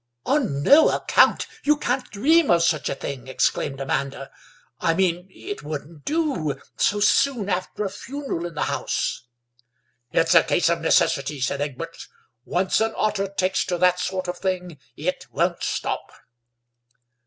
"On no account! You can't dream of such a thing!" exclaimed Amanda. "I mean, it wouldn't do, so soon after a funeral in the house." "It's a case of necessity," said Egbert; "once an otter takes to that sort of thing it won't stop."